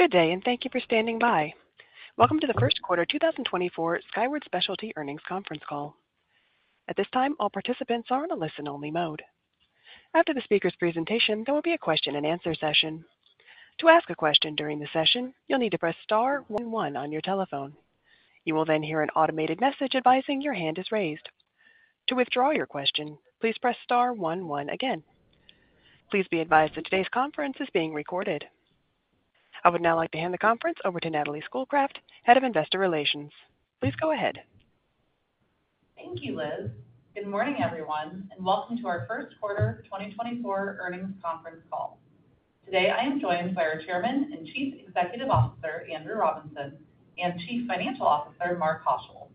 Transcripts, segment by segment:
Good day, and thank you for standing by. Welcome to the first quarter 2024 Skyward Specialty Earnings Conference Call. At this time, all participants are on a listen-only mode. After the speaker's presentation, there will be a question-and-answer session. To ask a question during the session, you'll need to press star one one on your telephone. You will then hear an automated message advising your hand is raised. To withdraw your question, please press star one one again. Please be advised that today's conference is being recorded. I would now like to hand the conference over to Natalie Schoolcraft, Head of Investor Relations. Please go ahead. Thank you, Liz. Good morning, everyone, and welcome to our first quarter 2024 earnings conference call. Today, I am joined by our Chairman and Chief Executive Officer, Andrew Robinson, and Chief Financial Officer, Mark Haushill.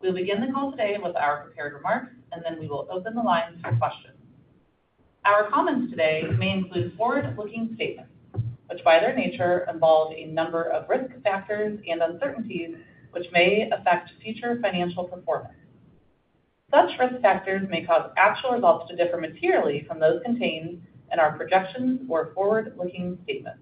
We'll begin the call today with our prepared remarks, and then we will open the lines for questions. Our comments today may include forward-looking statements, which, by their nature, involve a number of risk factors and uncertainties, which may affect future financial performance. Such risk factors may cause actual results to differ materially from those contained in our projections or forward-looking statements.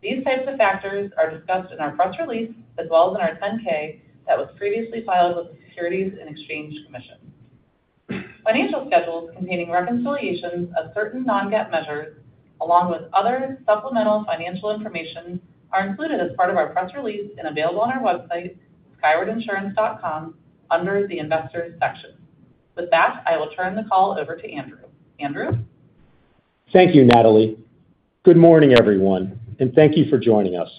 These types of factors are discussed in our press release, as well as in our 10-K that was previously filed with the Securities and Exchange Commission. Financial schedules containing reconciliations of certain non-GAAP measures, along with other supplemental financial information, are included as part of our press release and available on our website, skywardinsurance.com, under the Investors section. With that, I will turn the call over to Andrew. Andrew? Thank you, Natalie. Good morning, everyone, and thank you for joining us.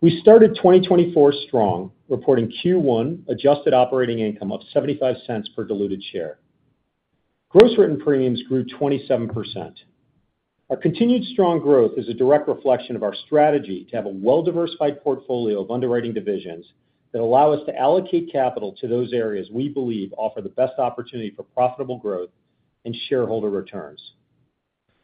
We started 2024 strong, reporting Q1 adjusted operating income of $0.75 per diluted share. Gross written premiums grew 27%. Our continued strong growth is a direct reflection of our strategy to have a well-diversified portfolio of underwriting divisions that allow us to allocate capital to those areas we believe offer the best opportunity for profitable growth and shareholder returns.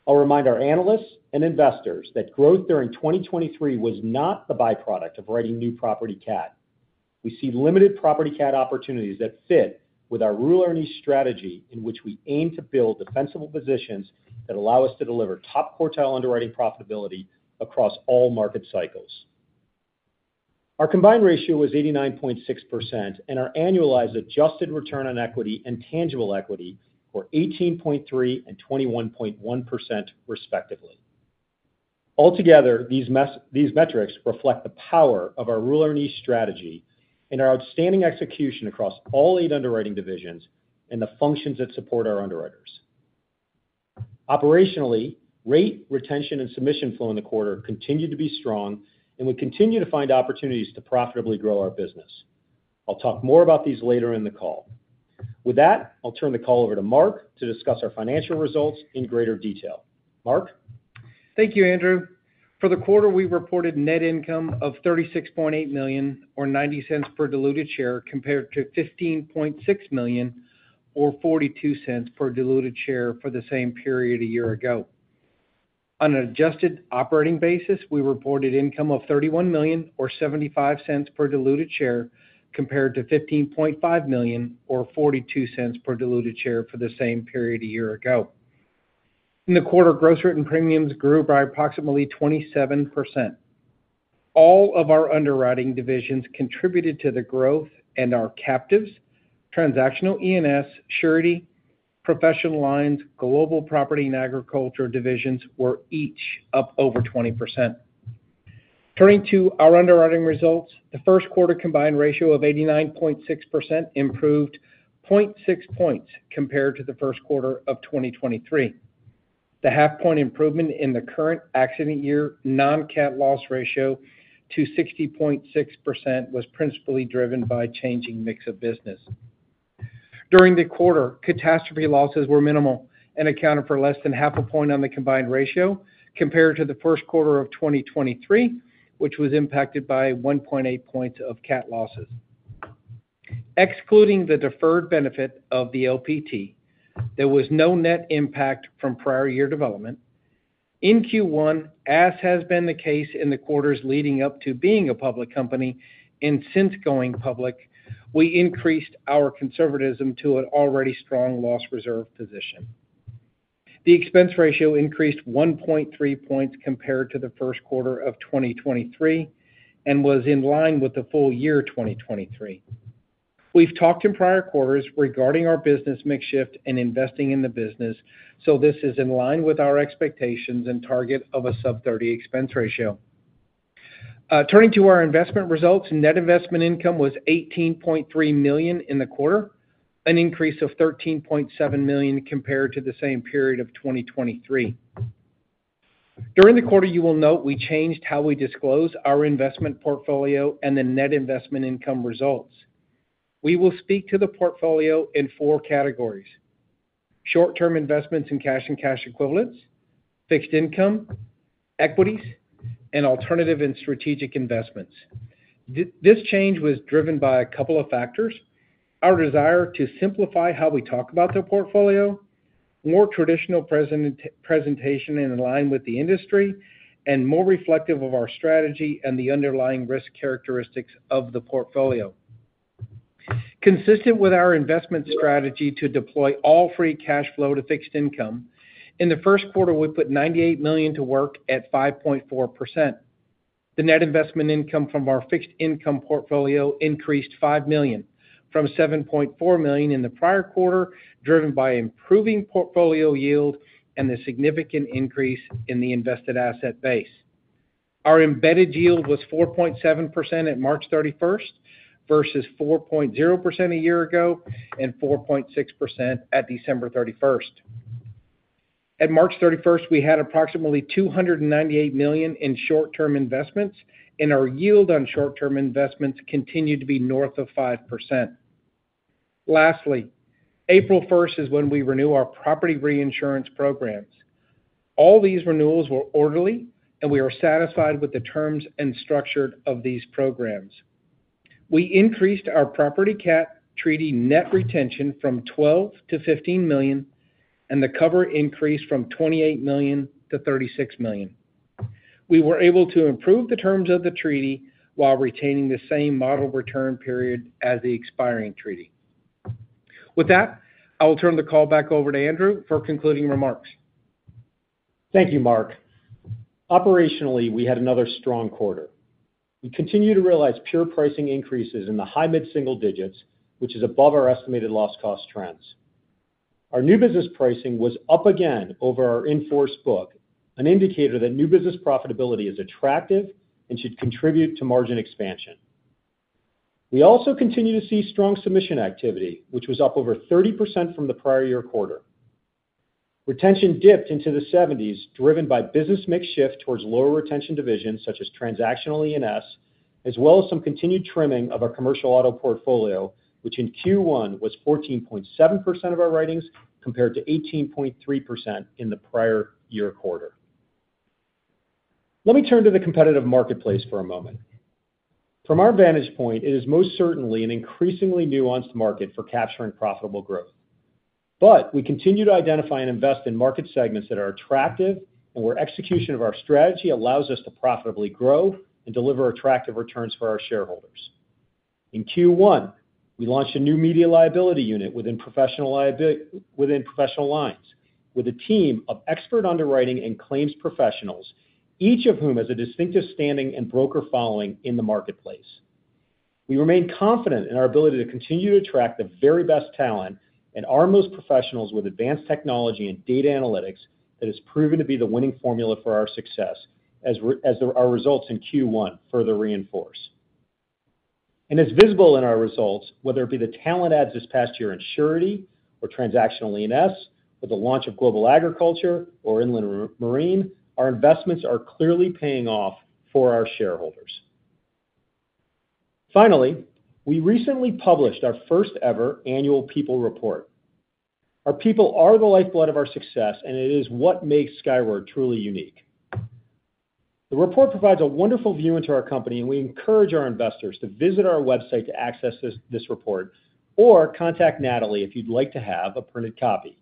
I'll remind our analysts and investors that growth during 2023 was not the byproduct of writing new property cat. We see limited property cat opportunities that fit with our underwriting strategy, in which we aim to build defensible positions that allow us to deliver top-quartile underwriting profitability across all market cycles. Our combined ratio was 89.6%, and our annualized adjusted return on equity and tangible equity were 18.3% and 21.1%, respectively. Altogether, these metrics reflect the power of our Rule Our Niche strategy and our outstanding execution across all eight underwriting divisions and the functions that support our underwriters. Operationally, rate, retention, and submission flow in the quarter continued to be strong, and we continue to find opportunities to profitably grow our business. I'll talk more about these later in the call. With that, I'll turn the call over to Mark to discuss our financial results in greater detail. Mark? Thank you, Andrew. For the quarter, we reported net income of $36.8 million, or $0.90 per diluted share, compared to $15.6 million, or $0.42 per diluted share for the same period a year ago. On an adjusted operating basis, we reported income of $31 million, or $0.75 per diluted share, compared to $15.5 million, or $0.42 per diluted share for the same period a year ago. In the quarter, gross written premiums grew by approximately 27%. All of our underwriting divisions contributed to the growth and our Captives. Transactional E&S, Surety, Professional Lines, Global Property and Agriculture divisions were each up over 20%. Turning to our underwriting results, the first quarter combined ratio of 89.6% improved 0.6 points compared to the first quarter of 2023. The half point improvement in the current accident year non-cat loss ratio to 60.6% was principally driven by changing mix of business. During the quarter, catastrophe losses were minimal and accounted for less than a half point on the combined ratio compared to the first quarter of 2023, which was impacted by 1.8 points of cat losses. Excluding the deferred benefit of the LPT, there was no net impact from prior year development. In Q1, as has been the case in the quarters leading up to being a public company and since going public, we increased our conservatism to an already strong loss reserve position. The expense ratio increased 1.3 points compared to the first quarter of 2023 and was in line with the full year 2023. We've talked in prior quarters regarding our business mix shift and investing in the business, so this is in line with our expectations and target of a sub 30 expense ratio. Turning to our investment results, net investment income was $18.3 million in the quarter, an increase of $13.7 million compared to the same period of 2023. During the quarter, you will note we changed how we disclose our investment portfolio and the net investment income results. We will speak to the portfolio in four categories: short-term investments in cash and cash equivalents, fixed income, equities, and alternative and strategic investments. This change was driven by a couple of factors: our desire to simplify how we talk about the portfolio, more traditional presentation in line with the industry, and more reflective of our strategy and the underlying risk characteristics of the portfolio.... Consistent with our investment strategy to deploy all free cash flow to fixed income, in the first quarter, we put $98 million to work at 5.4%. The net investment income from our fixed income portfolio increased $5 million, from $7.4 million in the prior quarter, driven by improving portfolio yield and the significant increase in the invested asset base. Our embedded yield was 4.7% at March 31st, versus 4.0% a year ago, and 4.6% at December 31st. At March 31st, we had approximately $298 million in short-term investments, and our yield on short term investments continued to be north of 5%. Lastly, April 1st is when we renew our property reinsurance programs. All these renewals were orderly, and we are satisfied with the terms and structure of these programs. We increased our property cat treaty net retention from $12 million-$15 million, and the cover increased from $28 million-$36 million. We were able to improve the terms of the treaty while retaining the same model return period as the expiring treaty. With that, I will turn the call back over to Andrew for concluding remarks. Thank you, Mark. Operationally, we had another strong quarter. We continue to realize pure pricing increases in the high mid-single digits, which is above our estimated loss cost trends. Our new business pricing was up again over our in-force book, an indicator that new business profitability is attractive and should contribute to margin expansion. We also continue to see strong submission activity, which was up over 30% from the prior year quarter. Retention dipped into the 70s, driven by business mix shift towards lower retention divisions, such as Transactional E&S, as well as some continued trimming of our Commercial Auto portfolio, which in Q1 was 14.7% of our writings, compared to 18.3% in the prior year quarter. Let me turn to the competitive marketplace for a moment. From our vantage point, it is most certainly an increasingly nuanced market for capturing profitable growth. But we continue to identify and invest in market segments that are attractive and where execution of our strategy allows us to profitably grow and deliver attractive returns for our shareholders. In Q1, we launched a new Media Liability unit within Professional Lines, with a team of expert underwriting and claims professionals, each of whom has a distinctive standing and broker following in the marketplace. We remain confident in our ability to continue to attract the very best talent and arm those professionals with advanced technology and data analytics that has proven to be the winning formula for our success, as our results in Q1 further reinforce. It's visible in our results, whether it be the talent adds this past year in Surety or Transactional E&S, or the launch of Global Agriculture or Inland Marine, our investments are clearly paying off for our shareholders. Finally, we recently published our first ever Annual People Report. Our people are the lifeblood of our success, and it is what makes Skyward truly unique. The report provides a wonderful view into our company, and we encourage our investors to visit our website to access this, this report, or contact Natalie if you'd like to have a printed copy.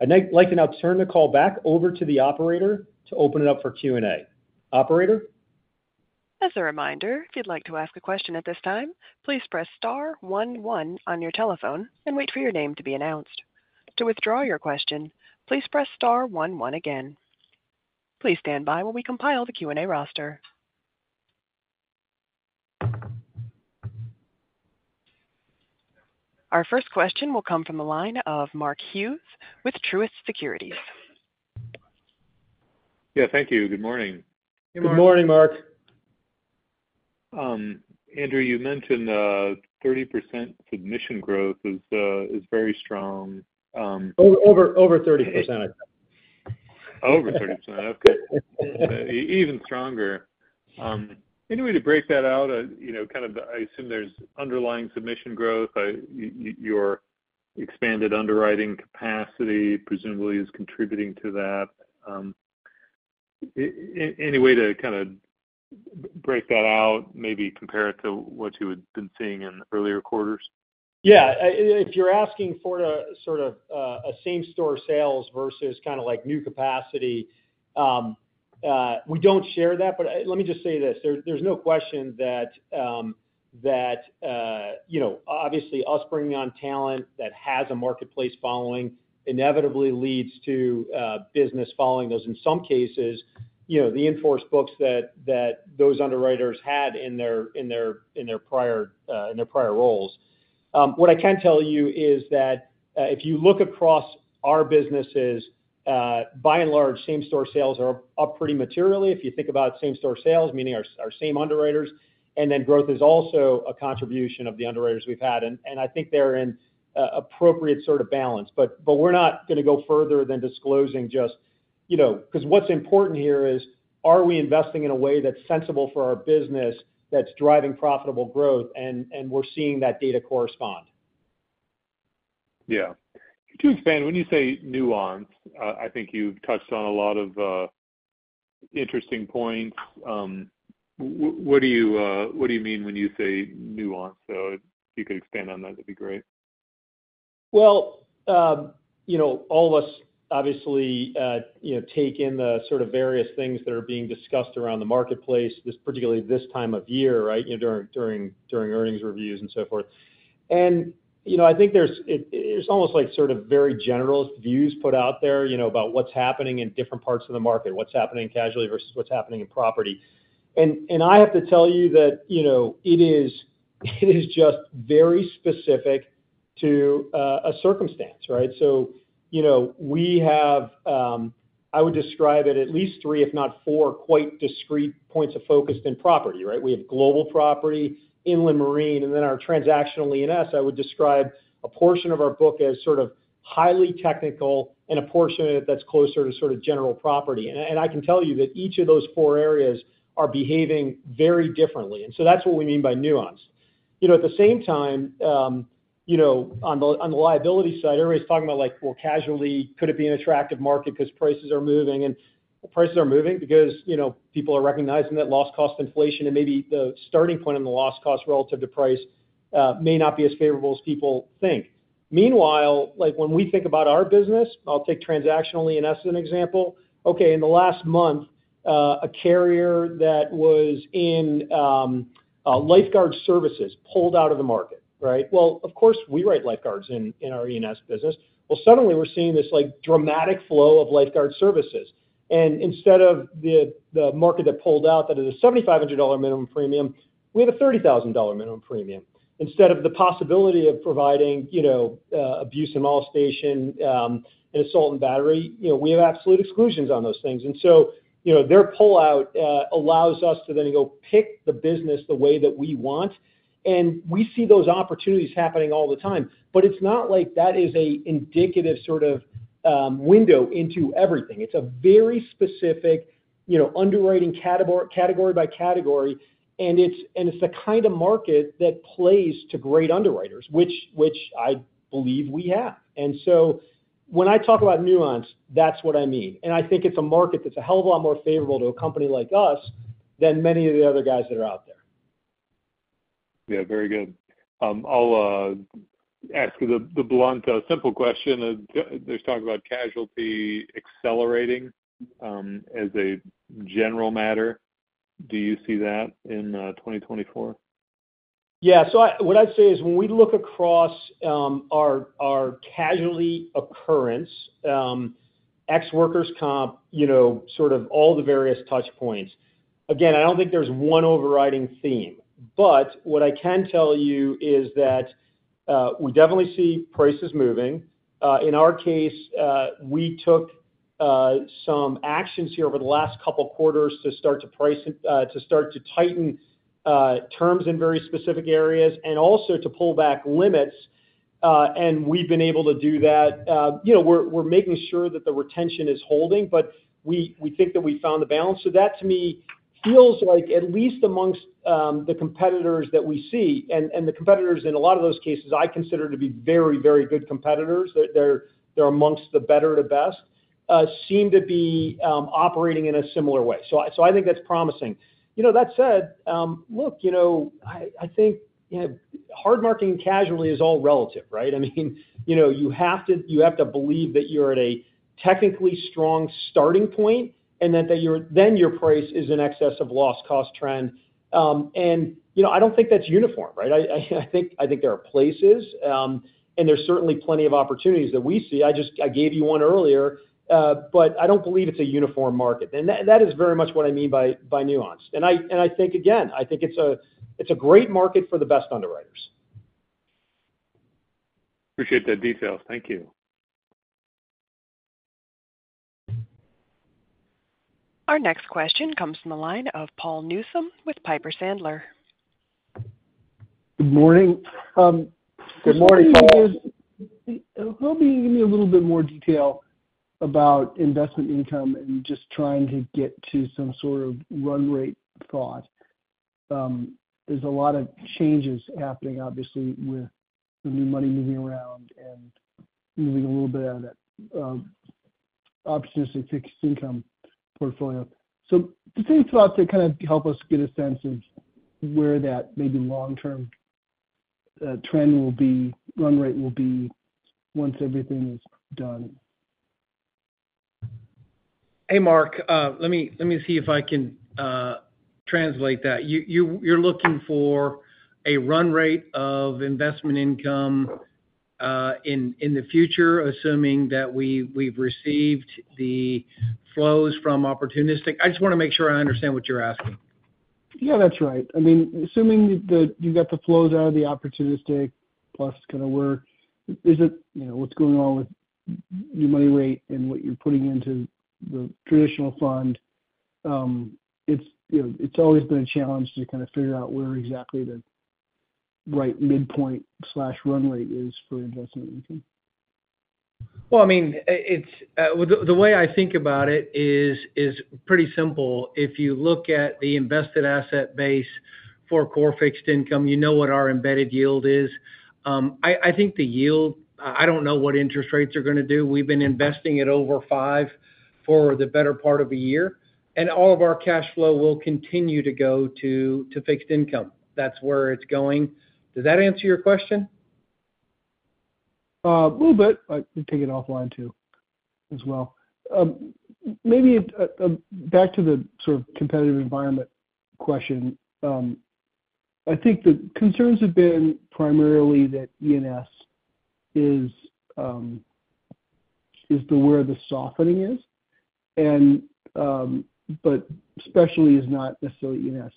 I'd now like to now turn the call back over to the operator to open it up for Q&A. Operator? As a reminder, if you'd like to ask a question at this time, please press star one one on your telephone and wait for your name to be announced. To withdraw your question, please press star one one again. Please stand by while we compile the Q&A roster. Our first question will come from the line of Mark Hughes with Truist Securities. Yeah, thank you. Good morning. Good morning, Mark. Good morning, Mark. Andrew, you mentioned 30% submission growth is very strong, Over 30%. Over 30%. Okay. Even stronger. Any way to break that out? You know, kind of, I assume there's underlying submission growth. Your expanded underwriting capacity presumably is contributing to that. Any way to kind of break that out, maybe compare it to what you had been seeing in earlier quarters? Yeah. If you're asking for a sort of a same store sales versus kind of like new capacity, we don't share that. But let me just say this. There's no question that you know, obviously us bringing on talent that has a marketplace following inevitably leads to business following those, in some cases, you know, the in-force books that those underwriters had in their prior roles. What I can tell you is that if you look across our businesses, by and large, same-store sales are up pretty materially. If you think about same-store sales, meaning our same underwriters, and then growth is also a contribution of the underwriters we've had. And I think they're in appropriate sort of balance. But we're not going to go further than disclosing just... You know, because what's important here is, are we investing in a way that's sensible for our business, that's driving profitable growth? And we're seeing that data correspond. Yeah. To expand, when you say nuance, I think you've touched on a lot of interesting points. What do you mean when you say nuance? So if you could expand on that, that'd be great. Well, you know, all of us obviously, you know, take in the sort of various things that are being discussed around the marketplace, this, particularly this time of year, right? You know, during earnings reviews and so forth. And, you know, I think there's, it's almost like sort of very general views put out there, you know, about what's happening in different parts of the market, what's happening in casualty versus what's happening in property. And, I have to tell you that, you know, it is, it is just very specific to, a circumstance, right? So, you know, we have, I would describe it at least three, if not four, quite discrete points of focus in property, right? We have Global Property, Inland Marine, and then our Transactional E&S. I would describe a portion of our book as sort of highly technical and a portion of it that's closer to sort of general property. And I can tell you that each of those four areas are behaving very differently, and so that's what we mean by nuance. You know, at the same time, you know, on the liability side, everybody's talking about like, well, casualty, could it be an attractive market because prices are moving? The prices are moving because, you know, people are recognizing that loss cost inflation and maybe the starting point in the loss cost relative to price may not be as favorable as people think. Meanwhile, like, when we think about our business, I'll take Transactional E&S as an example. Okay, in the last month, a carrier that was in lifeguard services pulled out of the market, right? Well, of course, we write lifeguards in our E&S business. Well, suddenly we're seeing this, like, dramatic flow of lifeguard services. And instead of the market that pulled out, that is a $7,500 minimum premium, we have a $30,000 minimum premium. Instead of the possibility of providing, you know, abuse and molestation and assault and battery, you know, we have absolute exclusions on those things. And so, you know, their pullout allows us to then go pick the business the way that we want, and we see those opportunities happening all the time. But it's not like that is an indicative sort of window into everything. It's a very specific, you know, underwriting category by category, and it's the kind of market that plays to great underwriters, which I believe we have. When I talk about nuance, that's what I mean. I think it's a market that's a hell of a lot more favorable to a company like us than many of the other guys that are out there. Yeah, very good. I'll ask you the blunt, simple question. There's talk about casualty accelerating, as a general matter. Do you see that in 2024? Yeah, so what I'd say is, when we look across our casualty occurrence ex workers comp, you know, sort of all the various touch points, again, I don't think there's one overriding theme. But what I can tell you is that we definitely see prices moving. In our case, we took some actions here over the last couple of quarters to start to price, to start to tighten terms in very specific areas and also to pull back limits, and we've been able to do that. You know, we're making sure that the retention is holding, but we think that we found the balance. So that, to me, feels like, at least amongst the competitors that we see, and the competitors in a lot of those cases, I consider to be very, very good competitors. They're amongst the better, the best seem to be operating in a similar way. So I think that's promising. You know, that said, look, you know, I think, you know, hard market casualty is all relative, right? I mean, you know, you have to, you have to believe that you're at a technically strong starting point and that your price is in excess of loss cost trend. And, you know, I don't think that's uniform, right? I think there are places, and there's certainly plenty of opportunities that we see. I just I gave you one earlier, but I don't believe it's a uniform market. And that is very much what I mean by nuance. And I think, again, I think it's a great market for the best underwriters. Appreciate the details. Thank you. Our next question comes from the line of Paul Newsome with Piper Sandler. Good morning. Good morning, Paul. Help me give me a little bit more detail about investment income and just trying to get to some sort of run rate thought. There's a lot of changes happening, obviously, with the new money moving around and moving a little bit out of that, opportunistic fixed income portfolio. So just any thoughts to kind of help us get a sense of where that maybe long-term, trend will be, run rate will be, once everything is done? Hey, Mark, let me see if I can translate that. You're looking for a run rate of investment income in the future, assuming that we've received the flows from opportunistic? I just wanna make sure I understand what you're asking. Yeah, that's right. I mean, assuming that you've got the flows out of the opportunistic plus kind of where, is it, you know, what's going on with your money rate and what you're putting into the traditional fund, it's, you know, it's always been a challenge to kind of figure out where exactly the right midpoint/runway is for investment income. Well, I mean, it's pretty simple. If you look at the invested asset base for core fixed income, you know what our embedded yield is. I think the yield, I don't know what interest rates are gonna do. We've been investing at over 5 for the better part of a year, and all of our cash flow will continue to go to fixed income. That's where it's going. Does that answer your question? A little bit, but we take it offline, too, as well. Maybe back to the sort of competitive environment question. I think the concerns have been primarily that E&S is where the softening is, and, but specialty is not necessarily E&S.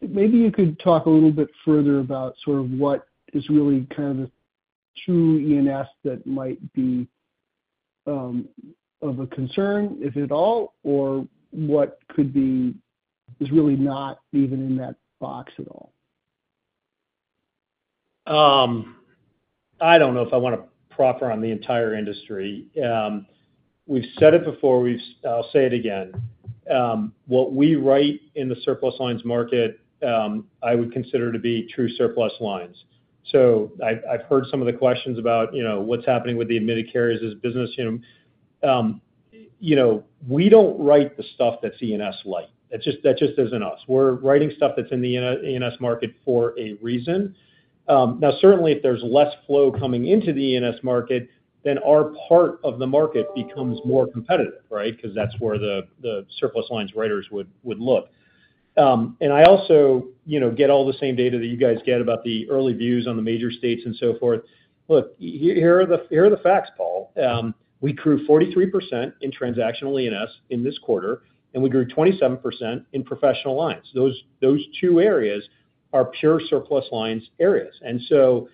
Maybe you could talk a little bit further about sort of what is really kind of true E&S that might be of a concern, if at all, or what could be is really not even in that box at all? I don't know if I wanna probe around the entire industry. We've said it before, I'll say it again. What we write in the surplus lines market, I would consider to be true surplus lines. So I've heard some of the questions about, you know, what's happening with the admitted carriers as business, you know. You know, we don't write the stuff that's E&S light. That just isn't us. We're writing stuff that's in the E&S market for a reason. Now, certainly, if there's less flow coming into the E&S market, then our part of the market becomes more competitive, right? Because that's where the surplus lines writers would look. And I also, you know, get all the same data that you guys get about the early views on the major states and so forth. Look, here are the facts, Paul. We grew 43% in Transactional E&S in this quarter, and we grew 27% in Professional Lines. Those two areas are pure surplus lines areas. So,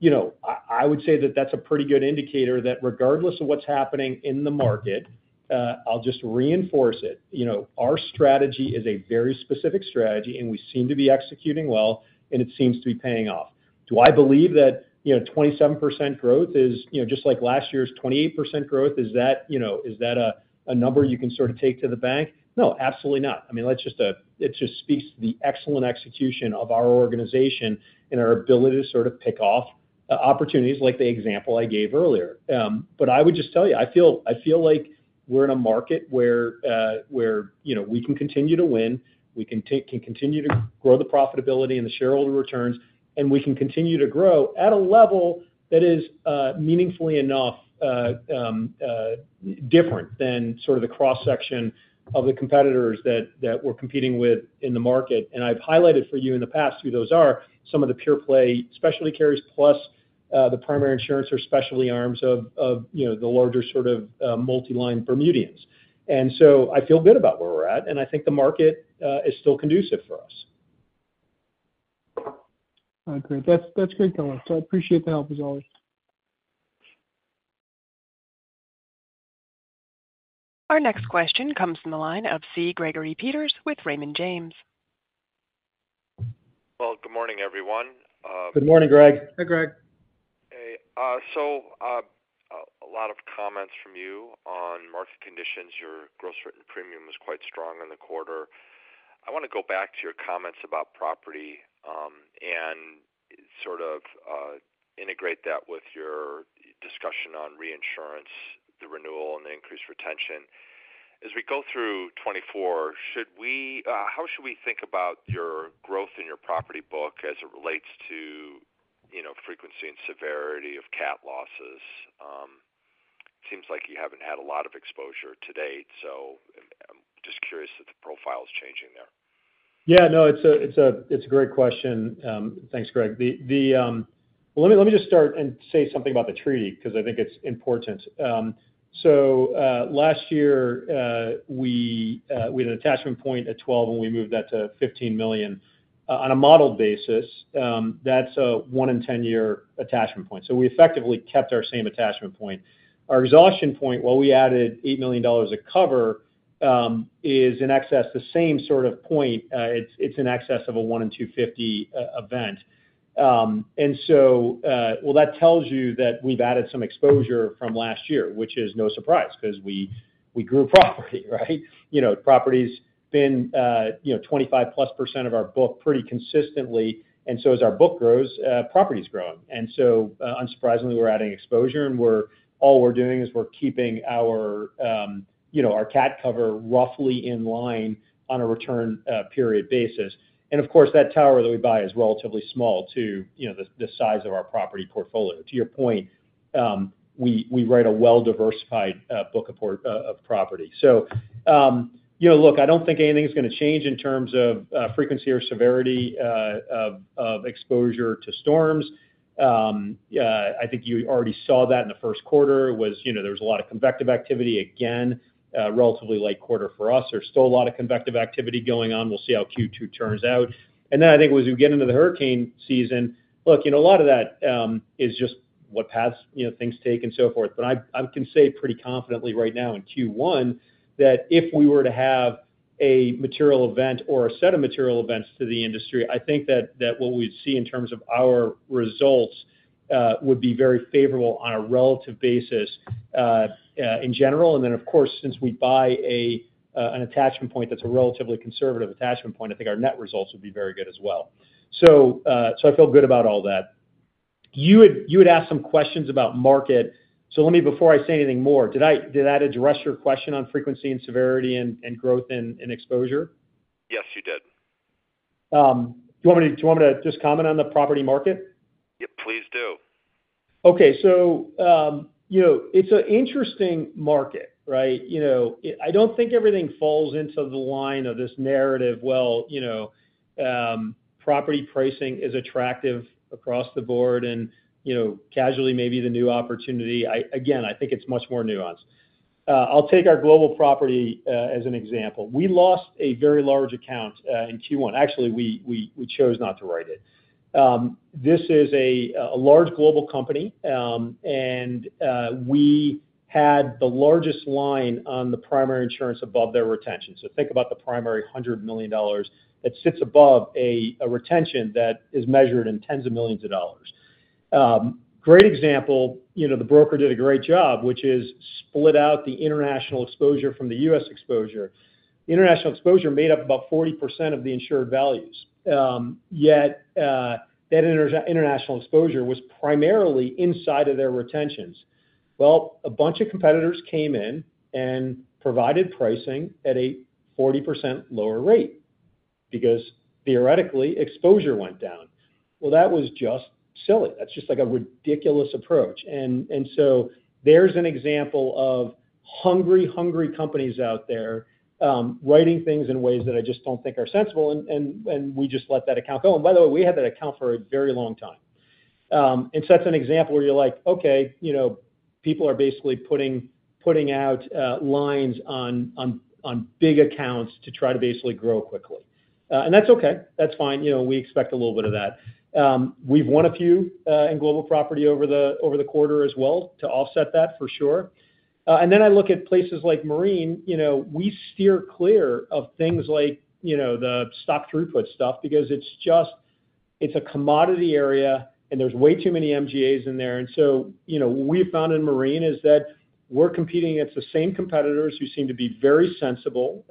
you know, I would say that that's a pretty good indicator that regardless of what's happening in the market, I'll just reinforce it. You know, our strategy is a very specific strategy, and we seem to be executing well, and it seems to be paying off. Do I believe that, you know, 27% growth is, you know, just like last year's 28% growth, is that, you know, is that a number you can sort of take to the bank? No, absolutely not. I mean, that's just it just speaks to the excellent execution of our organization and our ability to sort of pick off opportunities like the example I gave earlier. But I would just tell you, I feel, I feel like we're in a market where, where, you know, we can continue to win, we can continue to grow the profitability and the shareholder returns, and we can continue to grow at a level that is meaningfully enough different than sort of the cross-section of the competitors that, that we're competing with in the market. And I've highlighted for you in the past who those are, some of the pure play, specialty carriers, plus the primary insurance or specialty arms of, of, you know, the larger sort of multi-line Bermudians. And so I feel good about where we're at, and I think the market is still conducive for us. Okay. That's, that's great, color. So I appreciate the help, as always. Our next question comes from the line of C. Gregory Peters with Raymond James. Well, good morning, everyone. Good morning, Greg. Hey, Greg. Hey, so, a lot of comments from you on market conditions. Your gross written premium is quite strong in the quarter. I wanna go back to your comments about property, and sort of, integrate that with your discussion on reinsurance, the renewal, and the increased retention. As we go through 2024, should we—how should we think about your growth in your property book as it relates to, you know, frequency and severity of cat losses? Seems like you haven't had a lot of exposure to date, so I'm, I'm just curious if the profile is changing there. Yeah, no, it's a great question. Thanks, Greg. Well, let me just start and say something about the treaty, 'cause I think it's important. So, last year, we had an attachment point at 12, and we moved that to $15 million. On a model basis, that's a one in 10 year attachment point. So we effectively kept our same attachment point. Our exhaustion point, while we added $8 million of cover, is in excess the same sort of point. It's in excess of a one in 250 event. And so, well, that tells you that we've added some exposure from last year, which is no surprise, 'cause we grew property, right? You know, property's been, you know, +25% of our book pretty consistently, and so as our book grows, property's growing. And so, unsurprisingly, we're adding exposure, and we're all we're doing is we're keeping our, you know, our cat cover roughly in line on a return, period basis. And of course, that tower that we buy is relatively small to, you know, the, the size of our property portfolio. To your point, we, we write a well-diversified, book of property. So, you know, look, I don't think anything is gonna change in terms of, frequency or severity, of, of exposure to storms. I think you already saw that in the first quarter, you know, there was a lot of convective activity. Again, a relatively light quarter for us. There's still a lot of convective activity going on. We'll see how Q2 turns out. Then I think as we get into the hurricane season, look, you know, a lot of that is just what paths, you know, things take and so forth. But I can say pretty confidently right now in Q1, that if we were to have a material event or a set of material events to the industry, I think that what we'd see in terms of our results would be very favorable on a relative basis in general. And then, of course, since we buy an attachment point that's a relatively conservative attachment point, I think our net results would be very good as well. So I feel good about all that. You had asked some questions about market. So let me, before I say anything more, did I address your question on frequency and severity and growth and exposure? Yes, you did.... do you want me to, do you want me to just comment on the property market? Yeah, please do. Okay, so, you know, it's an interesting market, right? You know, it. I don't think everything falls into the line of this narrative, well, you know, property pricing is attractive across the board and, you know, casualty maybe the new opportunity. I again, I think it's much more nuanced. I'll take our global property as an example. We lost a very large account in Q1. Actually, we chose not to write it. This is a large global company, and we had the largest line on the primary insurance above their retention. So think about the primary $100 million that sits above a retention that is measured in tens of millions of dollars. Great example, you know, the broker did a great job, which is split out the international exposure from the U.S. exposure. The international exposure made up about 40% of the insured values, yet that international exposure was primarily inside of their retentions. Well, a bunch of competitors came in and provided pricing at a 40% lower rate because theoretically, exposure went down. Well, that was just silly. That's just like a ridiculous approach. And so there's an example of hungry, hungry companies out there writing things in ways that I just don't think are sensible, and we just let that account go. And by the way, we had that account for a very long time. And so that's an example where you're like, okay, you know, people are basically putting out lines on big accounts to try to basically grow quickly. And that's okay. That's fine. You know, we expect a little bit of that. We've won a few in Global Property over the quarter as well to offset that for sure. And then I look at places like Marine, you know, we steer clear of things like, you know, the stock throughput stuff because it's just, it's a commodity area, and there's way too many MGAs in there. And so, you know, what we found in Marine is that we're competing against the same competitors who seem to be very sensible.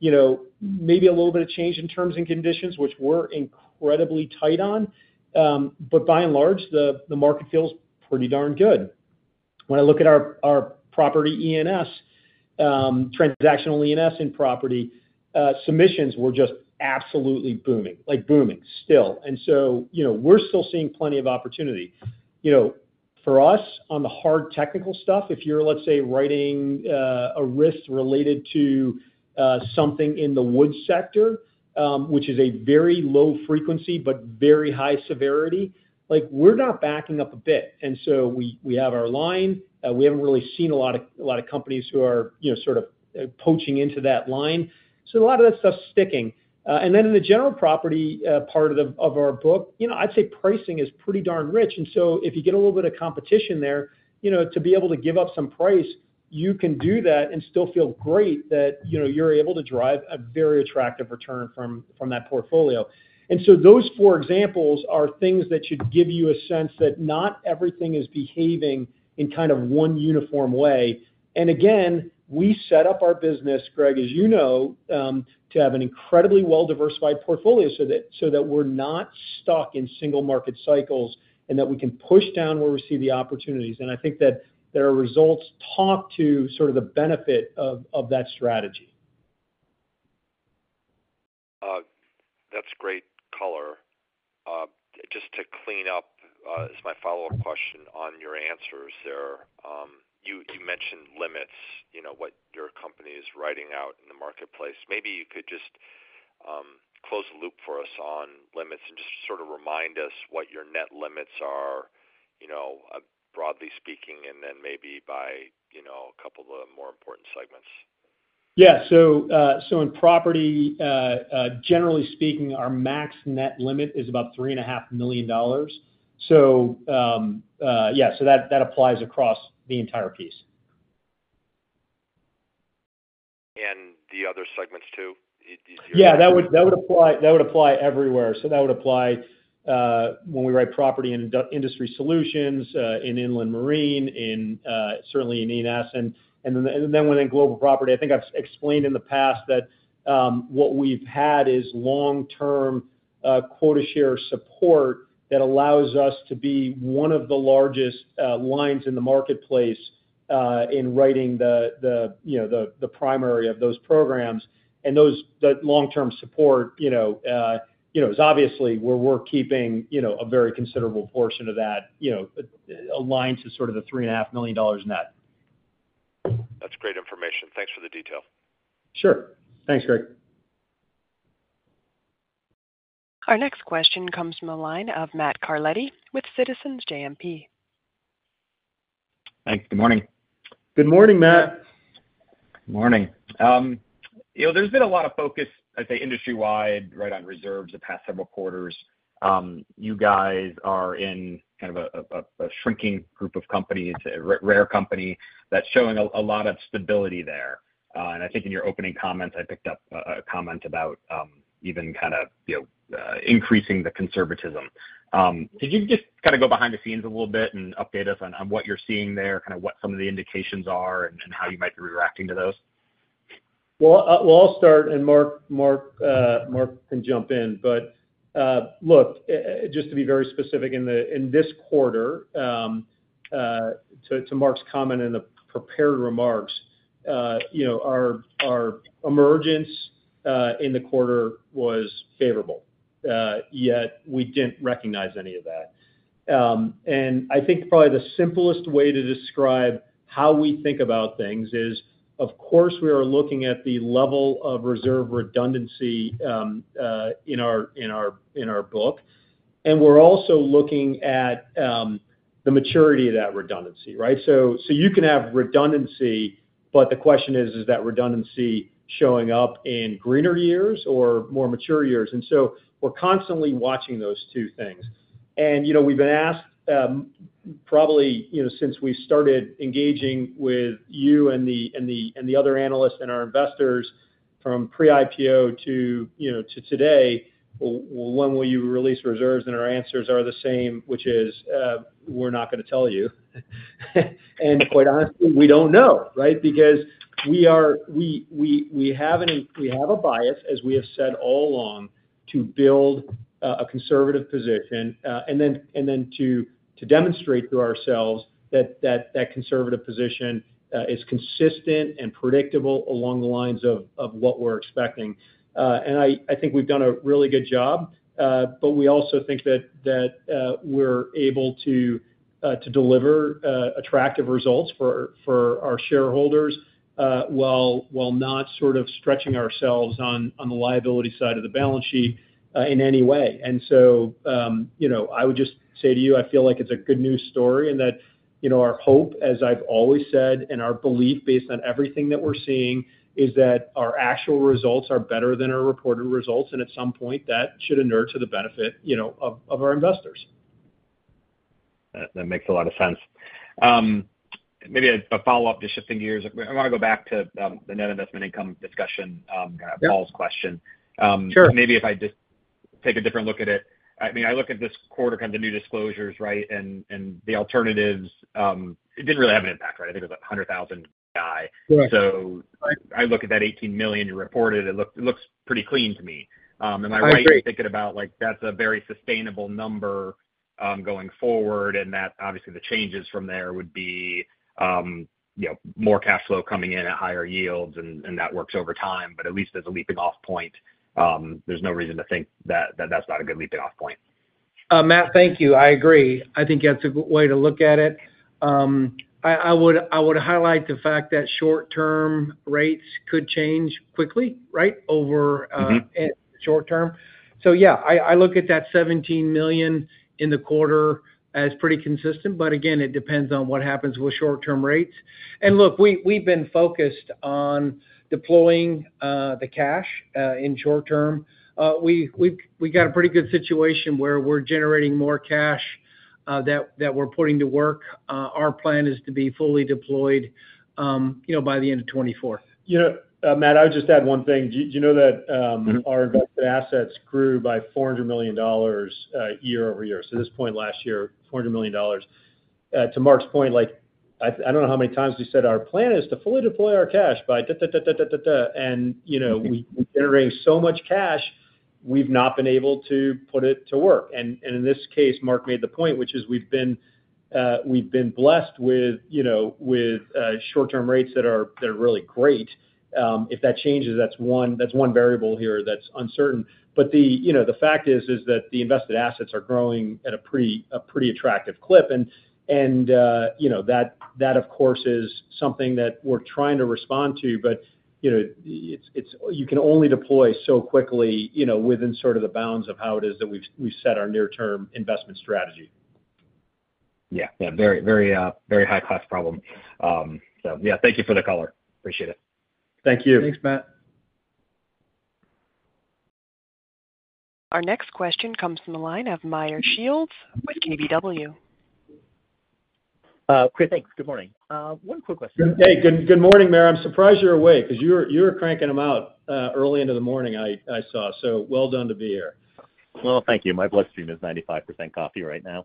You know, maybe a little bit of change in terms and conditions, which we're incredibly tight on, but by and large, the market feels pretty darn good. When I look at our property E&S, Transactional E&S in property, submissions were just absolutely booming, like booming still. And so, you know, we're still seeing plenty of opportunity. You know, for us, on the hard technical stuff, if you're, let's say, writing a risk related to something in the wood sector, which is a very low frequency but very high severity, like, we're not backing up a bit. And so we have our line, we haven't really seen a lot of companies who are, you know, sort of poaching into that line. So a lot of that stuff's sticking. And then in the general property part of our book, you know, I'd say pricing is pretty darn rich. And so if you get a little bit of competition there, you know, to be able to give up some price, you can do that and still feel great that, you know, you're able to drive a very attractive return from that portfolio. Those four examples are things that should give you a sense that not everything is behaving in kind of one uniform way. Again, we set up our business, Greg, as you know, to have an incredibly well-diversified portfolio, so that, so that we're not stuck in single market cycles and that we can push down where we see the opportunities. I think that their results talk to sort of the benefit of, of that strategy. That's great color. Just to clean up, as my follow-up question on your answers there, you mentioned limits, you know, what your company is writing out in the marketplace. Maybe you could just close the loop for us on limits and just sort of remind us what your net limits are, you know, broadly speaking, and then maybe by, you know, a couple of more important segments. Yeah. So, so in property, generally speaking, our max net limit is about $3.5 million. So, yeah, so that, that applies across the entire piece. The other segments, too? Yeah, that would, that would apply, that would apply everywhere. So that would apply when we write property in Industry Solutions, in Inland Marine, in certainly in E&S. And then, and then when in global property, I think I've explained in the past that what we've had is long-term quota share support that allows us to be one of the largest lines in the marketplace in writing the, the, you know, the, the primary of those programs. And those, that long-term support, you know, is obviously where we're keeping a very considerable portion of that aligned to sort of the $3.5 million net. That's great information. Thanks for the detail. Sure. Thanks, Greg. Our next question comes from the line of Matt Carletti with Citizens JMP. Thanks. Good morning. Good morning, Matt. Morning. You know, there's been a lot of focus, I'd say, industry-wide, right on reserves the past several quarters. You guys are in kind of a shrinking group of companies, a rare company that's showing a lot of stability there. And I think in your opening comments, I picked up a comment about even kind of, you know, increasing the conservatism. Could you just kind of go behind the scenes a little bit and update us on what you're seeing there, kind of what some of the indications are and how you might be reacting to those? Well, well, I'll start, and Mark, Mark, Mark can jump in. But look, just to be very specific, in this quarter, to Mark's comment in the prepared remarks, you know, our emergence in the quarter was favorable, yet we didn't recognize any of that. And I think probably the simplest way to describe how we think about things is, of course, we are looking at the level of reserve redundancy in our book, and we're also looking at the maturity of that redundancy, right? So you can have redundancy, but the question is: Is that redundancy showing up in greener years or more mature years? And so we're constantly watching those two things. And, you know, we've been asked, probably, you know, since we started engaging with you and the other analysts and our investors from pre-IPO to, you know, to today, when will you release reserves? And our answers are the same, which is, we're not gonna tell you. And quite honestly, we don't know, right? Because we have a bias, as we have said all along, to build a conservative position, and then to demonstrate to ourselves that conservative position is consistent and predictable along the lines of what we're expecting. I think we've done a really good job, but we also think that we're able to deliver attractive results for our shareholders, while not sort of stretching ourselves on the liability side of the balance sheet in any way. You know, I would just say to you, I feel like it's a good news story, and that you know our hope, as I've always said, and our belief based on everything that we're seeing, is that our actual results are better than our reported results, and at some point, that should inure to the benefit you know of our investors. That, that makes a lot of sense. Maybe a follow-up, just shifting gears. I wanna go back to the net investment income discussion. Yep. Kinda Paul's question. Sure. Maybe if I just take a different look at it. I mean, I look at this quarter, kind of, the new disclosures, right? And the alternatives, it didn't really have an impact, right? I think it was $100,000 guy. Right. So I look at that $18 million you reported, it looks pretty clean to me. I agree. I'm thinking about, like, that's a very sustainable number going forward, and that obviously the changes from there would be, you know, more cash flow coming in at higher yields and, and that works over time, but at least as a leaping off point, there's no reason to think that, that's not a good leaping off point. Matt, thank you. I agree. I think that's a good way to look at it. I would highlight the fact that short-term rates could change quickly, right? Mm-hmm short-term. So yeah, I look at that $17 million in the quarter as pretty consistent, but again, it depends on what happens with short-term rates. And look, we've been focused on deploying the cash in short term. We got a pretty good situation where we're generating more cash that we're putting to work. Our plan is to be fully deployed, you know, by the end of 2024. You know, Matt, I would just add one thing. Do you know that, Mm-hmm Our invested assets grew by $400 million year-over-year. So this point last year, $400 million. To Mark's point, like, I, I don't know how many times we said our plan is to fully deploy our cash by da, da, da, da, da. And, you know, we- Mm-hmm we're generating so much cash, we've not been able to put it to work. And in this case, Mark made the point, which is we've been blessed with, you know, with short-term rates that are really great. If that changes, that's one variable here that's uncertain. But the fact is that the invested assets are growing at a pretty attractive clip. And you know, that of course is something that we're trying to respond to, but you know, it's you can only deploy so quickly, you know, within sort of the bounds of how it is that we've set our near-term investment strategy. Yeah, yeah, very, very, very high-cost problem. So yeah, thank you for the color. Appreciate it. Thank you. Thanks, Matt. Our next question comes from the line of Meyer Shields with KBW. Chris, thanks. Good morning. One quick question- Hey, good morning, Meyer. I'm surprised you're awake, because you're cranking them out early into the morning. I saw, so well done to be here. Well, thank you. My bloodstream is 95% coffee right now.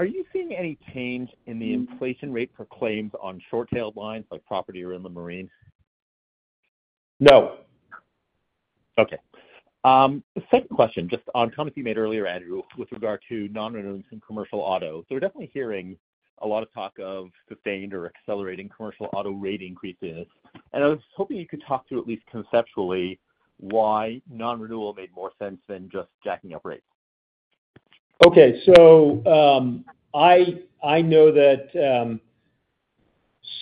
Are you seeing any change in the inflation rate for claims on short-tailed lines, like Property or Inland Marine? No. Okay. The second question, just on a comment you made earlier, Andrew, with regard to non-renewal in Commercial Auto. So we're definitely hearing a lot of talk of sustained or accelerating Commercial Auto rate increases, and I was hoping you could talk through, at least conceptually, why non-renewal made more sense than just jacking up rates? Okay. So, I, I know that,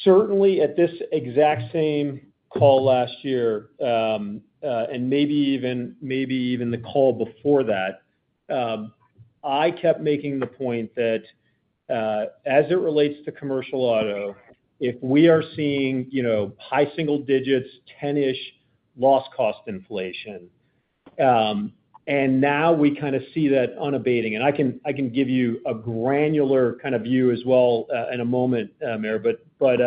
certainly at this exact same call last year, and maybe even, maybe even the call before that, I kept making the point that, as it relates to commercial auto, if we are seeing, you know, high single digits, 10-ish loss cost inflation, and now we kinda see that unabating. And I can, I can give you a granular kind of view as well, in a moment, Meyer. But, but,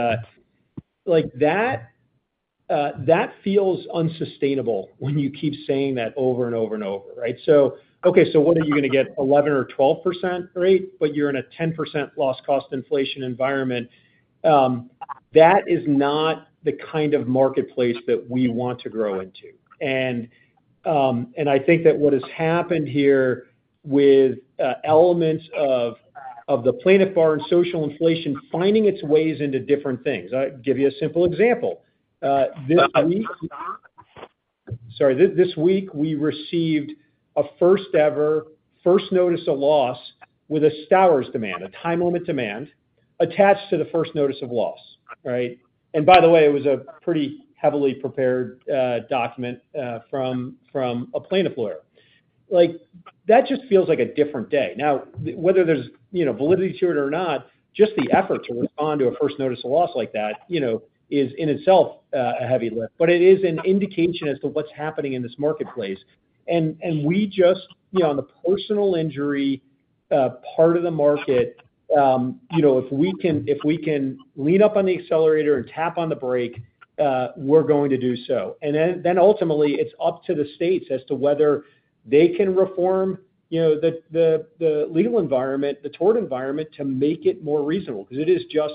like, that, that feels unsustainable when you keep saying that over and over and over, right? So, okay, so what are you gonna get, 11% or 12% rate, but you're in a 10% loss cost inflation environment... That is not the kind of marketplace that we want to grow into. And I think that what has happened here with elements of the plaintiff bar and social inflation finding its ways into different things. I'll give you a simple example. This week, we received a first ever, first notice of loss with a Stowers demand, a time limit demand, attached to the first notice of loss, right? And by the way, it was a pretty heavily prepared document from a plaintiff lawyer. Like, that just feels like a different day. Now, whether there's, you know, validity to it or not, just the effort to respond to a first notice of loss like that, you know, is in itself a heavy lift. But it is an indication as to what's happening in this marketplace. We just, you know, on the personal injury part of the market, you know, if we can, if we can lean up on the accelerator and tap on the brake, we're going to do so. And then ultimately, it's up to the states as to whether they can reform, you know, the legal environment, the tort environment, to make it more reasonable. Because it is just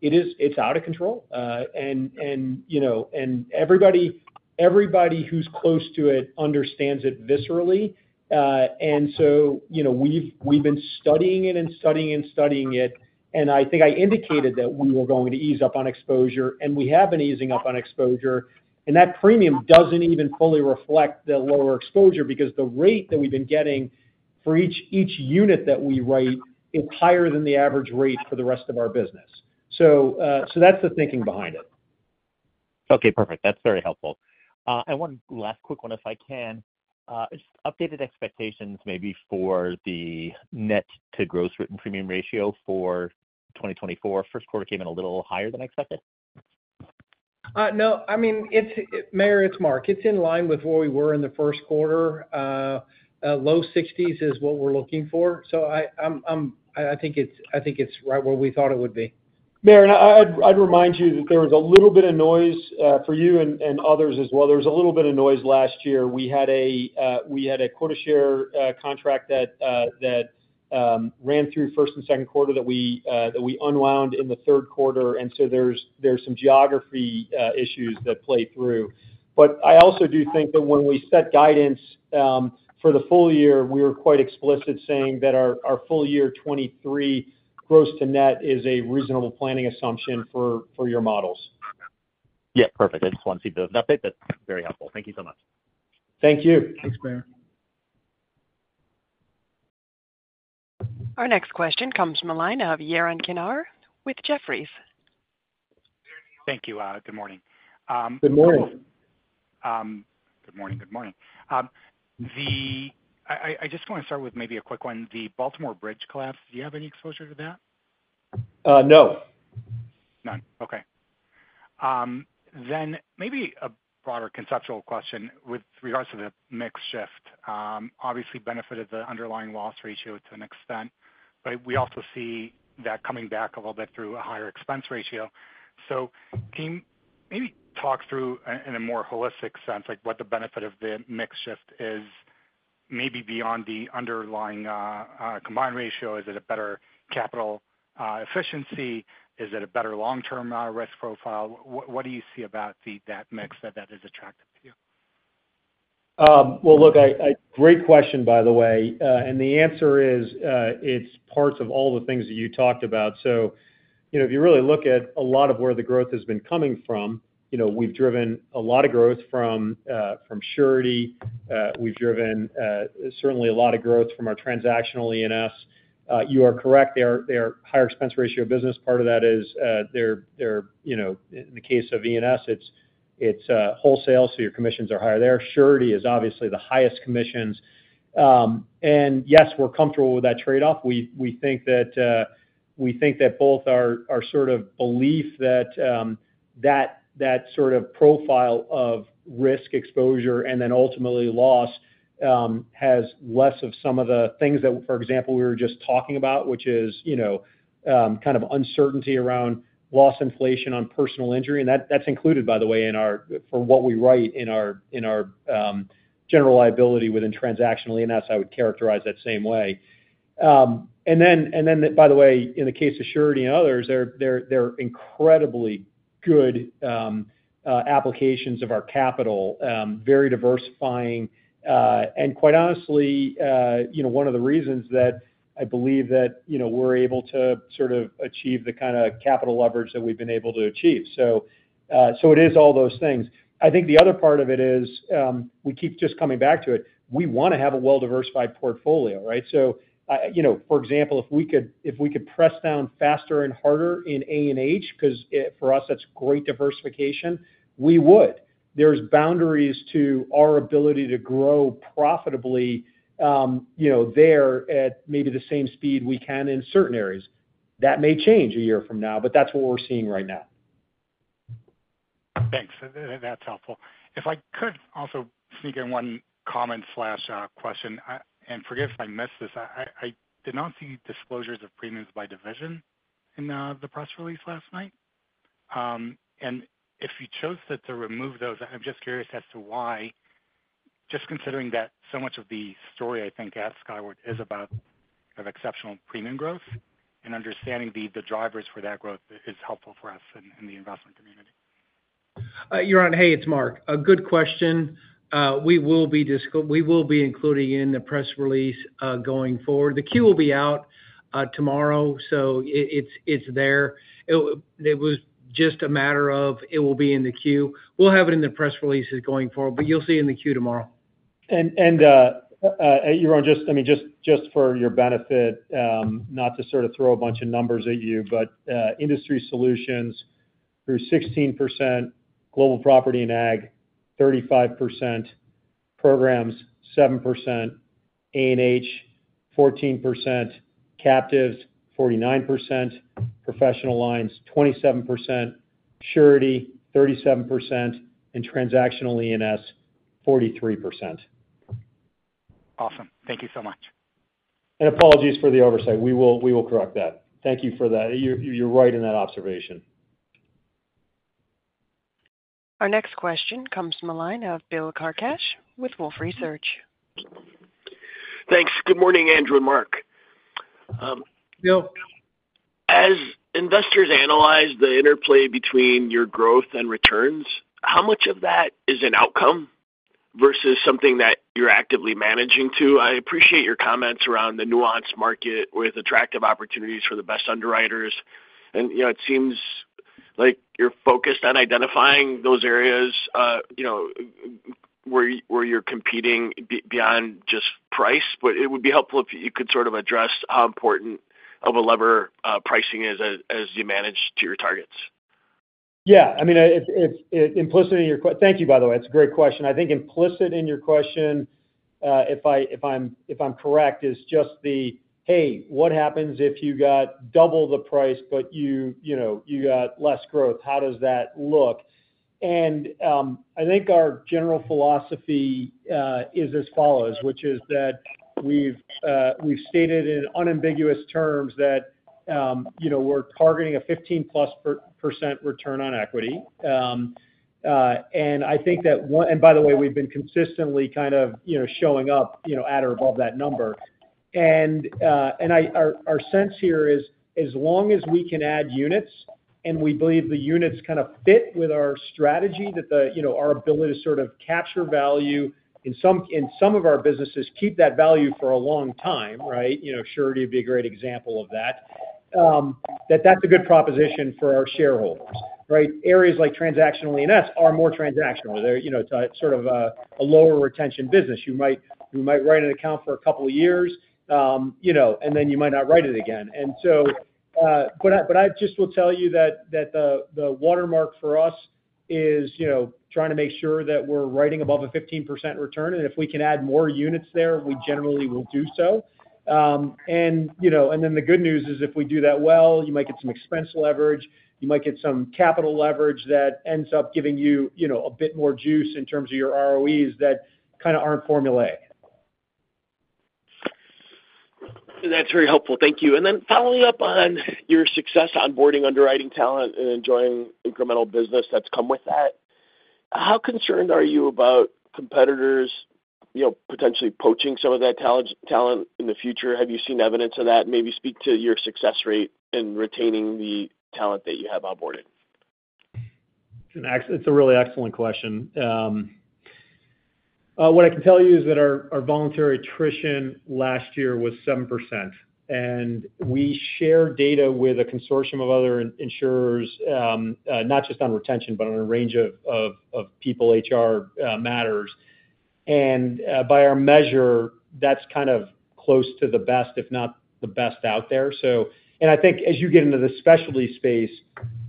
it is, it's out of control. And, you know, everybody who's close to it understands it viscerally. And so, you know, we've been studying it and studying and studying it, and I think I indicated that we were going to ease up on exposure, and we have been easing up on exposure. That premium doesn't even fully reflect the lower exposure, because the rate that we've been getting for each unit that we write is higher than the average rate for the rest of our business. So, so that's the thinking behind it. Okay, perfect. That's very helpful. One last quick one, if I can. Just updated expectations, maybe for the net to gross written premium ratio for 2024. First quarter came in a little higher than expected? No, I mean, it's Meyer, it's Mark. It's in line with where we were in the first quarter. Low sixties is what we're looking for. So I think it's right where we thought it would be. Marin, I'd remind you that there was a little bit of noise for you and others as well. There was a little bit of noise last year. We had a quota share contract that ran through first and second quarter that we unwound in the third quarter, and so there's some geography issues that played through. But I also do think that when we set guidance for the full year, we were quite explicit, saying that our full year 2023 gross to net is a reasonable planning assumption for your models. Yeah, perfect. I just wanted to see the update. That's very helpful. Thank you so much. Thank you. Thanks, Meyer. Our next question comes from the line of Yaron Kinar with Jefferies. Thank you. Good morning. Good morning. Good morning, good morning. I just want to start with maybe a quick one, the Baltimore Bridge collapse. Do you have any exposure to that? Uh, no. None. Okay. Then maybe a broader conceptual question with regards to the mix shift. Obviously benefited the underlying loss ratio to an extent, but we also see that coming back a little bit through a higher expense ratio. So can you maybe talk through in a more holistic sense, like, what the benefit of the mix shift is, maybe beyond the underlying combined ratio? Is it a better capital efficiency? Is it a better long-term risk profile? What do you see about that mix that is attractive to you? Well, look, great question, by the way. The answer is, it's parts of all the things that you talked about. So, you know, if you really look at a lot of where the growth has been coming from, you know, we've driven a lot of growth from Surety. We've driven certainly a lot of growth from our Transactional E&S. You are correct, they are higher expense ratio business. Part of that is, they're, you know, in the case of E&S, it's wholesale, so your commissions are higher there. Surety is obviously the highest commissions. And yes, we're comfortable with that trade-off. We think that both our sort of belief that that sort of profile of risk exposure and then ultimately loss has less of some of the things that, for example, we were just talking about, which is, you know, kind of uncertainty around loss inflation on personal injury. And that's included, by the way, in our for what we write in our, in our general liability within Transactional E&S. I would characterize that same way. And then, by the way, in the case of Surety and others, they're incredibly good applications of our capital, very diversifying. And quite honestly, you know, one of the reasons that I believe that, you know, we're able to sort of achieve the kind of capital leverage that we've been able to achieve. So, so it is all those things. I think the other part of it is, we keep just coming back to it. We want to have a well-diversified portfolio, right? So, you know, for example, if we could, if we could press down faster and harder in A&H, because, for us, that's great diversification, we would. There's boundaries to our ability to grow profitably, you know, there at maybe the same speed we can in certain areas. That may change a year from now, but that's what we're seeing right now. Thanks. That's helpful. If I could also sneak in one comment, question, and forgive if I missed this, I did not see disclosures of premiums by division in the press release last night. And if you chose to remove those, I'm just curious as to why? Just considering that so much of the story, I think, at Skyward is about kind of exceptional premium growth and understanding the drivers for that growth is helpful for us in the investment community. Yaron, hey, it's Mark. A good question. We will be including in the press release going forward. The Q will be out tomorrow, so it's there. It was just a matter of, it will be in the Q. We'll have it in the press releases going forward, but you'll see in the Q tomorrow. Yaron, just, I mean, just for your benefit, not to sort of throw a bunch of numbers at you, but Industry Solutions grew 16%, Global Property and Ag 35%, Programs 7%, A&H 14%, Captives 49%, Professional Lines 27%, Surety 37%, and Transactional E&S 43%. Awesome. Thank you so much. Apologies for the oversight. We will, we will correct that. Thank you for that. You're, you're right in that observation. Our next question comes from the line of Bill Carcache with Wolfe Research. Thanks. Good morning, Andrew and Mark. Bill. As investors analyze the interplay between your growth and returns, how much of that is an outcome versus something that you're actively managing to? I appreciate your comments around the nuanced market with attractive opportunities for the best underwriters. And, you know, it seems like you're focused on identifying those areas, you know, where you're competing beyond just price. But it would be helpful if you could sort of address how important of a lever pricing is as you manage to your targets. Yeah, I mean, it's, it's, implicit in your question, thank you, by the way. It's a great question. I think implicit in your question, if I'm correct, is just the, "Hey, what happens if you got double the price, but you, you know, you got less growth? How does that look?" And, I think our general philosophy is as follows, which is that we've stated in unambiguous terms that, you know, we're targeting a +15% return on equity. And by the way, we've been consistently kind of, you know, showing up, you know, at or above that number. Our sense here is, as long as we can add units, and we believe the units kind of fit with our strategy, that our ability to sort of capture value in some of our businesses, keep that value for a long time, right? You know, Surety would be a great example of that. That's a good proposition for our shareholders, right? Areas like Transactional E&S are more transactional. They're, you know, sort of a lower retention business. You might write an account for a couple of years, you know, and then you might not write it again. And so, but I just will tell you that the watermark for us is, you know, trying to make sure that we're writing above a 15% return, and if we can add more units there, we generally will do so. And, you know, and then the good news is, if we do that well, you might get some expense leverage, you might get some capital leverage that ends up giving you, you know, a bit more juice in terms of your ROEs that kind of aren't formulaic. That's very helpful. Thank you. And then following up on your success onboarding underwriting talent and enjoying incremental business that's come with that, how concerned are you about competitors, you know, potentially poaching some of that talent, talent in the future? Have you seen evidence of that? Maybe speak to your success rate in retaining the talent that you have onboarded. It's a really excellent question. What I can tell you is that our voluntary attrition last year was 7%, and we share data with a consortium of other insurers, not just on retention, but on a range of people, HR matters. And by our measure, that's kind of close to the best, if not the best out there. So. And I think as you get into the specialty space,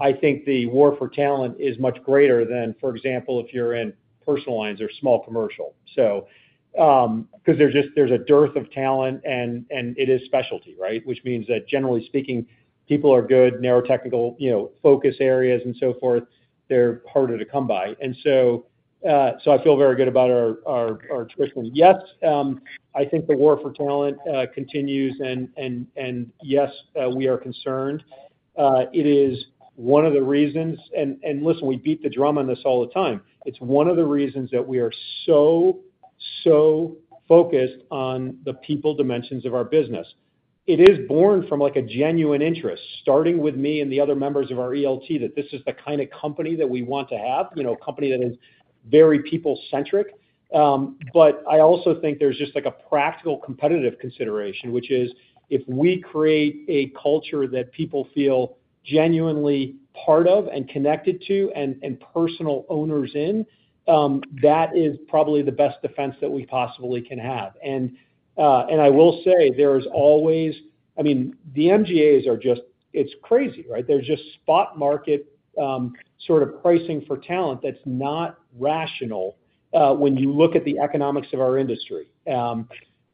I think the war for talent is much greater than, for example, if you're in personal lines or small commercial. So, 'cause there's just, there's a dearth of talent and it is specialty, right? Which means that generally speaking, people are good, narrow technical, you know, focus areas and so forth, they're harder to come by. So I feel very good about our attrition. Yes, I think the war for talent continues, and yes, we are concerned. It is one of the reasons, and listen, we beat the drum on this all the time. It's one of the reasons that we are so focused on the people dimensions of our business. It is born from, like, a genuine interest, starting with me and the other members of our ELT, that this is the kind of company that we want to have, you know, a company that is very people-centric. But I also think there's just, like, a practical competitive consideration, which is, if we create a culture that people feel genuinely part of and connected to and personal owners in, that is probably the best defense that we possibly can have. And I will say there is always, I mean, the MGAs are just, it's crazy, right? There's just spot market, sort of pricing for talent that's not rational, when you look at the economics of our industry.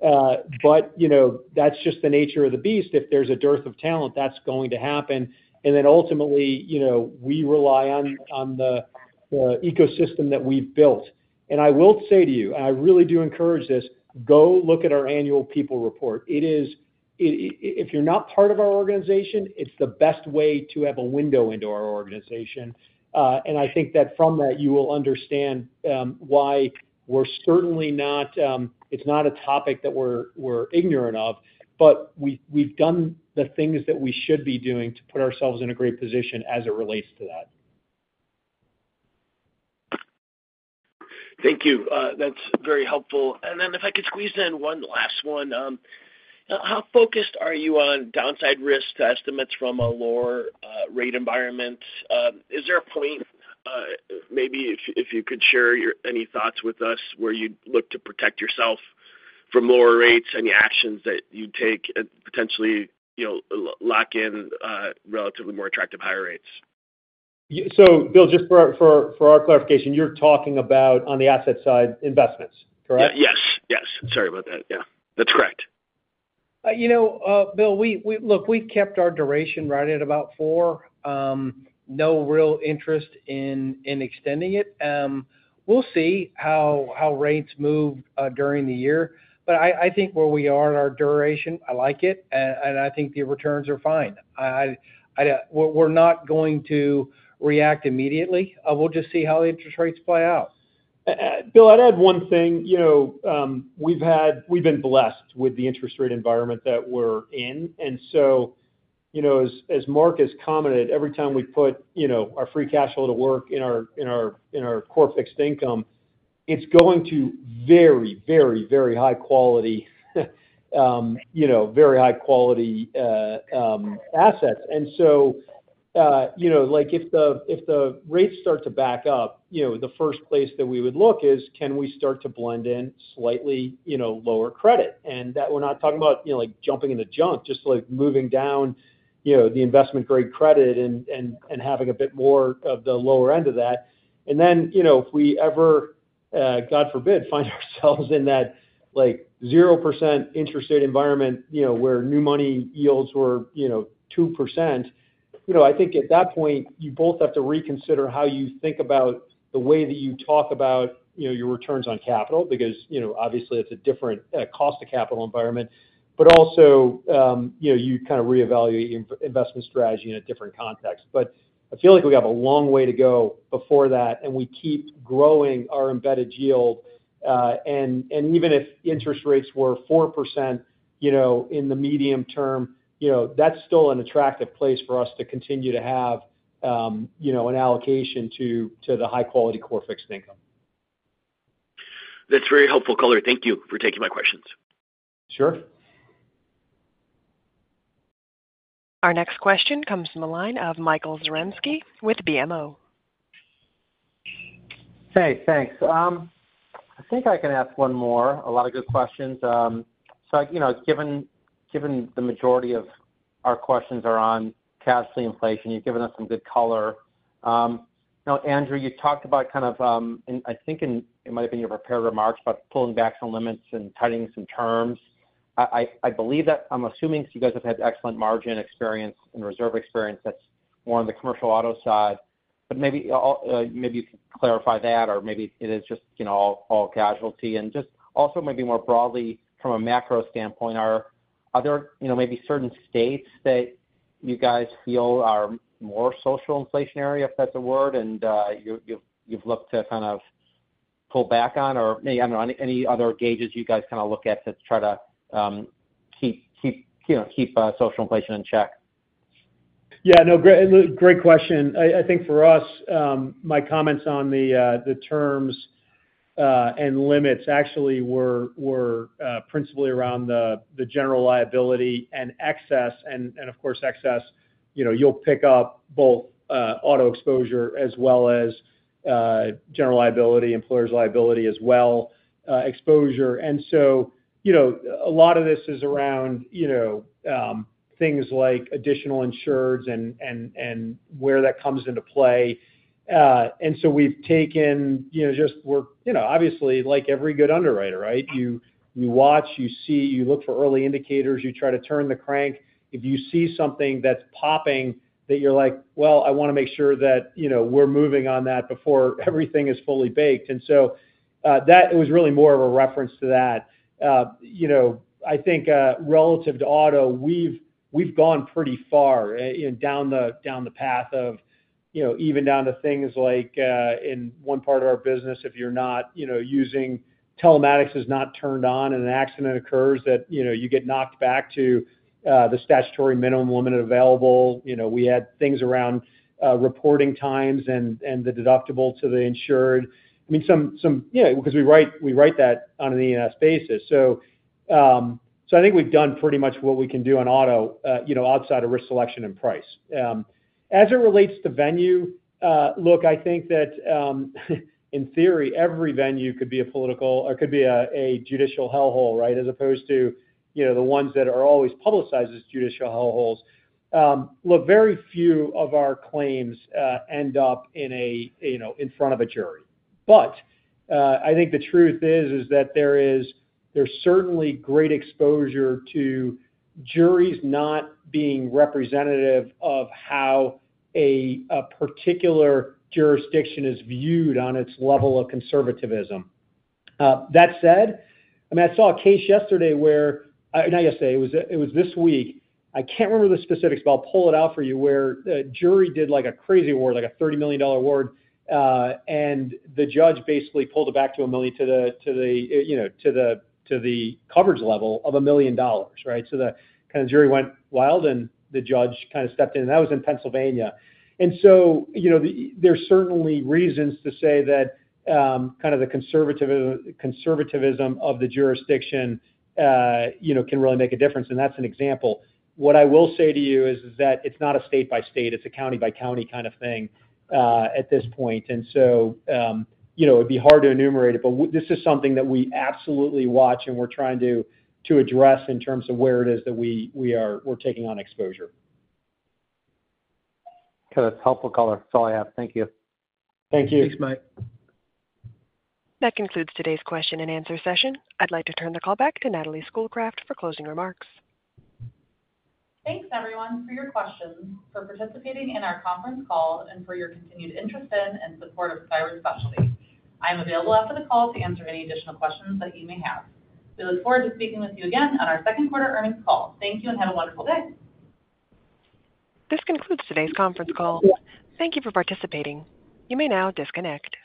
But, you know, that's just the nature of the beast. If there's a dearth of talent, that's going to happen. And then ultimately, you know, we rely on the ecosystem that we've built. And I will say to you, and I really do encourage this, go look at our Annual People Report. It is... If you're not part of our organization, it's the best way to have a window into our organization. And I think that from that, you will understand why we're certainly not ignorant of it. It's not a topic that we're ignorant of, but we've done the things that we should be doing to put ourselves in a great position as it relates to that. Thank you. That's very helpful. And then if I could squeeze in one last one. How focused are you on downside risk to estimates from a lower rate environment? Is there a point, maybe if you could share your any thoughts with us, where you'd look to protect yourself from lower rates? Any actions that you'd take and potentially, you know, lock in relatively more attractive higher rates? So Bill, just for our clarification, you're talking about on the asset side, investments, correct? Yes, yes. Sorry about that. Yeah, that's correct. You know, Bill, look, we kept our duration right at about four. No real interest in extending it. We'll see how rates move during the year, but I think where we are in our duration, I like it, and I think the returns are fine. We're not going to react immediately. We'll just see how the interest rates play out. Bill, I'd add one thing. You know, we've been blessed with the interest rate environment that we're in. And so, you know, as Mark has commented, every time we put, you know, our free cash flow to work in our core fixed income, it's going to very, very, very high quality, you know, very high quality assets. So, you know, like, if the rates start to back up, you know, the first place that we would look is, can we start to blend in slightly, you know, lower credit? And that we're not talking about, you know, like, jumping in the junk, just, like, moving down, you know, the investment grade credit and having a bit more of the lower end of that. And then, you know, if we ever, God forbid, find ourselves in that, like, 0% interest rate environment, you know, where new money yields were, you know, 2%, you know, I think at that point, you both have to reconsider how you think about the way that you talk about, you know, your returns on capital. Because, you know, obviously, it's a different cost to capital environment. But also, you know, you kind of reevaluate investment strategy in a different context. But I feel like we have a long way to go before that, and we keep growing our embedded yield. And even if interest rates were 4%, you know, in the medium term, you know, that's still an attractive place for us to continue to have, you know, an allocation to, to the high quality core fixed income. That's very helpful, color. Thank you for taking my questions. Sure. Our next question comes from the line of Michael Zaremski with BMO. Hey, thanks. I think I can ask one more. A lot of good questions. So, you know, given the majority of our questions are on casualty inflation, you've given us some good color. Now, Andrew, you talked about kind of and I think in, it might have been your prepared remarks, about pulling back some limits and tightening some terms. I believe that I'm assuming, because you guys have had excellent margin experience and reserve experience, that's more on the commercial auto side. But maybe, maybe you could clarify that, or maybe it is just, you know, all casualty. Just also, maybe more broadly, from a macro standpoint, are there, you know, maybe certain states that you guys feel are more social inflationary, if that's a word, and you've looked to kind of pull back on? Or maybe, I don't know, any other gauges you guys kind of look at to try to keep, you know, social inflation in check? Yeah, no, great, great question. I think for us, my comments on the terms and limits actually were principally around the general liability and excess. And of course, excess, you know, you'll pick up both auto exposure as well as general liability, employer's liability as well, exposure. And so, you know, a lot of this is around, you know, things like additional insureds and where that comes into play. And so we've taken, you know, just we're, you know, obviously, like every good underwriter, right? You watch, you see, you look for early indicators, you try to turn the crank. If you see something that's popping, that you're like, "Well, I wanna make sure that, you know, we're moving on that before everything is fully baked." And so, that, it was really more of a reference to that. You know, I think, relative to auto, we've gone pretty far down the path of, you know, even down to things like, in one part of our business, if you're not, you know, using... Telematics is not turned on, and an accident occurs that, you know, you get knocked back to, the statutory minimum limit available. You know, we had things around, reporting times and the deductible to the insured. I mean, some, you know, because we write that on an E&S basis. So, so I think we've done pretty much what we can do on auto, you know, outside of risk selection and price. As it relates to venue, look, I think that, in theory, every venue could be a political, or could be a, a judicial hellhole, right? As opposed to, you know, the ones that are always publicized as judicial hellholes. Look, very few of our claims, end up in a, you know, in front of a jury. But, I think the truth is, is that there is-- there's certainly great exposure to juries not being representative of how a, a particular jurisdiction is viewed on its level of conservatism. That said, I mean, I saw a case yesterday where- not yesterday, it was, it was this week. I can't remember the specifics, but I'll pull it out for you, where a jury did, like, a crazy award, like a $30 million award, and the judge basically pulled it back to a million, to the, to the, you know, to the coverage level of $1 million, right? So the kind of jury went wild, and the judge kind of stepped in, and that was in Pennsylvania. And so, you know, the, there's certainly reasons to say that, kind of the conservatism of the jurisdiction, you know, can really make a difference, and that's an example. What I will say to you is that it's not a state by state, it's a county by county kind of thing, at this point. So, you know, it'd be hard to enumerate it, but this is something that we absolutely watch and we're trying to address in terms of where it is that we are taking on exposure. Okay. That's helpful, color. That's all I have. Thank you. Thank you. Thanks, Mike. That concludes today's question and answer session. I'd like to turn the call back to Natalie Schoolcraft for closing remarks. Thanks, everyone, for your questions, for participating in our conference call, and for your continued interest in and support of Skyward Specialty. I'm available after the call to answer any additional questions that you may have. We look forward to speaking with you again on our second quarter earnings call. Thank you, and have a wonderful day. This concludes today's conference call. Thank you for participating. You may now disconnect.